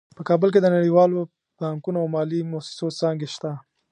په کابل کې د نړیوالو بانکونو او مالي مؤسسو څانګې شته